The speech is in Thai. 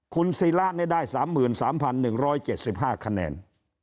คุณศิระได้๓๓๑๗๕คะแนน